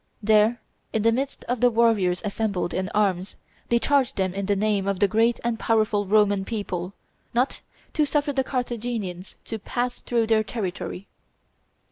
There, in the midst of the warriors assembled in arms, they charged them in the name of the great and powerful Roman people, not to suffer the Carthaginians to pass through their territory.